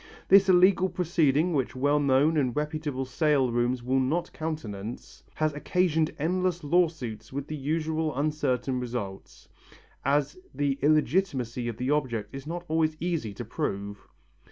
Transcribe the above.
This illegal proceeding, which well known and reputable sale rooms will not countenance, has occasioned endless lawsuits with the usual uncertain results, as the illegitimacy of the object is not always easy to prove.